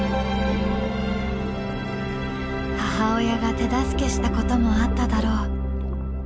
母親が手助けしたこともあっただろう。